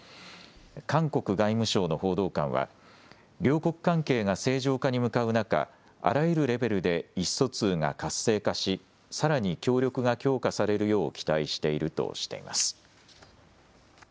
韓国外務省の報道官は両国関係が正常化に向かう中、あらゆるレベルで意思疎通が活性化し、さらに協力が強化されるよう期待しているとしています。